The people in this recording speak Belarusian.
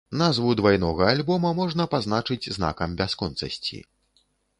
Назву двайнога альбома, можна пазначыць знакам бясконцасці.